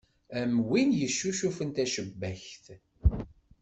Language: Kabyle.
Am win yecuffun tacebbakt.